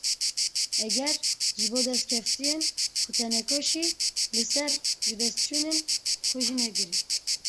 Eger ji bo destkeftiyên xwe tênekoşî, li ser jidestçûnên xwe jî negirî.